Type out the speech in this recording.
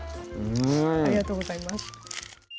ありがとうございます